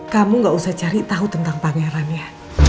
kamu gak usah cari tau tentang pangeran ya